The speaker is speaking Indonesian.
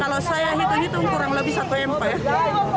kalau saya hitung hitung kurang lebih satu m pak ya